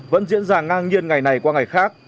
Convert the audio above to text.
vẫn diễn ra ngang nhiên ngày này qua ngày khác